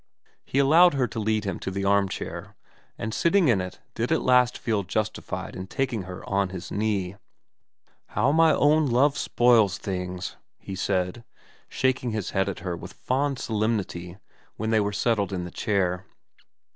He allowed her to lead him to the arm chair, and sitting in it did at last feel justified in taking her on his knee. * How my own Love spoils things,' he said, shaking his head at her with fond solemnity when they were settled in the chair.